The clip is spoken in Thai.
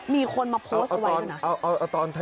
มีคนมาโพสต์เอาไว้แล้วนะ